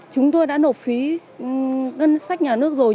chúng tôi đã nộp phí ngân sách nhà nước rồi